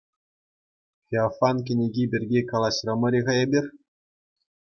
Феофан кӗнеки пирки калаҫрӑмӑр-и-ха эпир?